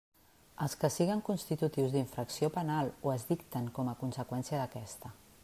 Els que siguen constitutius d'infracció penal o es dicten com a conseqüència d'aquesta.